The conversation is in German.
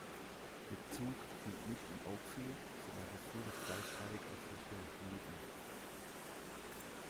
Der Zug hielt nicht in Oakfield, sondern befuhr das Gleisdreieck aus Richtung Houlton.